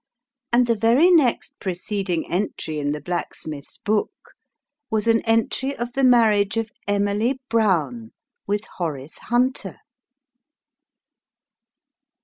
And the very next preceding entry in the Blacksmith's book, was an entry of the marriage of Emily Brown with Horace Hunter.